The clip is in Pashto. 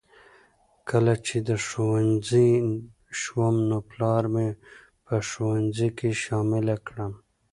کله چې د ښوونځي شوم نو پلار مې په ښوونځي کې شامله کړم